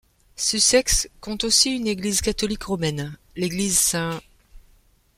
Sussex compte aussi une église catholique romaine, l'église St.